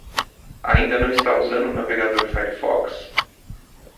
Ainda não está usando o navegador Firefox?